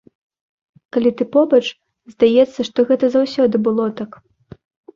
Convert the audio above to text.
Калі ты побач, здаецца, што гэта заўсёды было так.